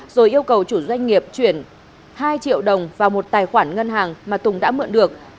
rồi yêu cầu chủ doanh nghiệp chuyển hai triệu đồng vào một tài khoản ngân hàng mà tùng đã mượn được